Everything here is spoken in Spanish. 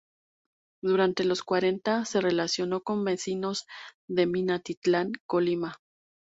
Durante los cuarenta, se relacionó con vecinos de Minatitlán, Colima.